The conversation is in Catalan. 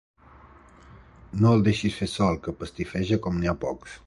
No el deixis fer sol, que pastifeja com n'hi ha pocs.